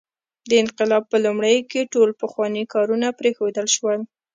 د انقلاب په لومړیو کې ټول پخواني کارونه پرېښودل شول.